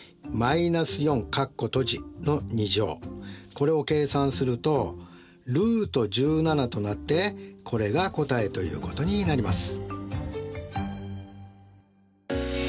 これを計算するとルート１７となってこれが答えということになります。